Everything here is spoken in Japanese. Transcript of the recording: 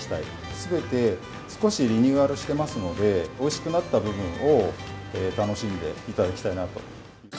すべて少しリニューアルしてますので、おいしくなった部分を楽しんでいただきたいなと。